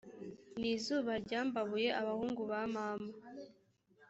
n izuba ryambabuye abahungu ba mama